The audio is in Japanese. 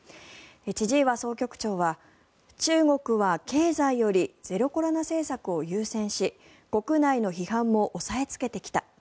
千々岩総局長は、中国は経済よりゼロコロナ政策を優先し国内の批判も押さえつけてきた。